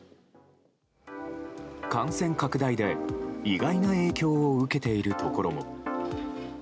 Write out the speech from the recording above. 感染拡大で意外な影響を受けているところも。